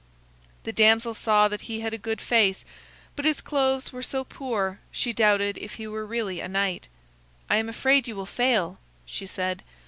The damsel saw that he had a good face. But his clothes were so poor she doubted if he were really a knight. "I am afraid you will fail," she said.